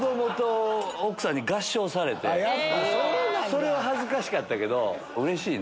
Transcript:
それは恥ずかしかったけど。